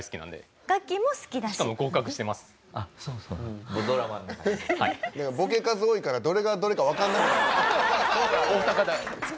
ボケ数多いからどれがどれかわかんなく。